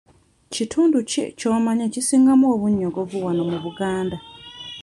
Kitundu ki ky'omanyi ekisingamu obunnyogovu wano mu Buganda?